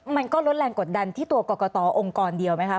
มันก็ลดแรงกดดันที่ตัวกรกตองค์กรเดียวไหมคะ